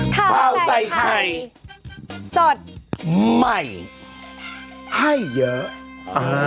ข้าวใส่ไข่สดใหม่ให้เยอะอ่า